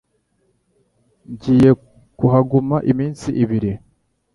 Ngiye kuhaguma iminsi ibiri.